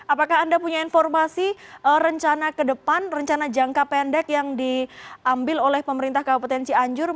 apakah anda punya informasi rencana ke depan rencana jangka pendek yang diambil oleh pemerintah kabupaten cianjur